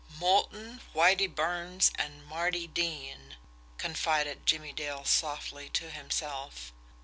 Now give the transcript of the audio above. "Moulton, Whitie Burns, and Marty Dean," confided Jimmie Dale softly to himself.